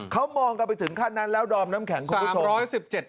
เขามองกันไปถึงขั้นนั้นแล้วดอมน้ำแข็งคุณผู้ชม